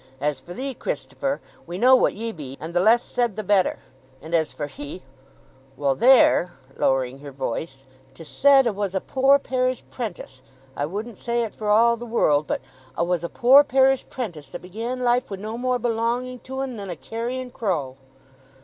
"As for thee, Christopher, we know what ye be, and the less said the better. And as for he—well, there—(lowering her voice) 'tis said 'a was a poor parish 'prentice—I wouldn't say it for all the world—but 'a was a poor parish 'prentice, that began life wi' no more belonging to 'en than a carrion crow."